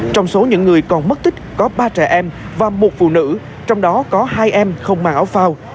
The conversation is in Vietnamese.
trong số những người còn mất tích có ba trẻ em và một phụ nữ trong đó có hai em không mang áo phao